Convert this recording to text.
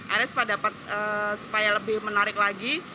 akhirnya supaya lebih menarik lagi